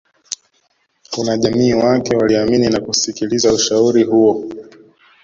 Wanajamii wake waliamini na kusikiliza ushauri huo